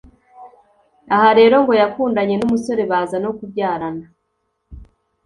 Aha rero ngo yakundanye n’umusore baza no kubyarana